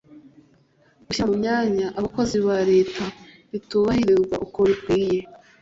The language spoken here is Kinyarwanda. gushyira mu myanya abakozi ba leta ritubahirizwa uko bikwiye